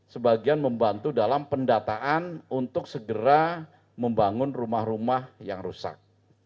sebagian membantu dalam pendataan untuk segera membangun rumah rumah yang rusak